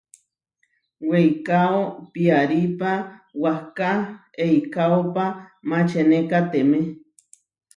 Weikáo piarípa wahká eikaópa mačenekatemé.